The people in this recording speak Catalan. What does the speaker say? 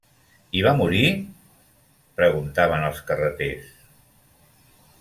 -I va morir?- preguntaven els carreters.